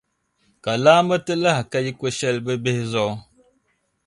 Ka laamba ti lahi ka yiko shɛli bɛ bihi zuɣu.